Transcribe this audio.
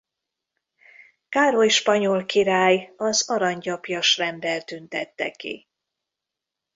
Károly spanyol király az Aranygyapjas renddel tüntette ki.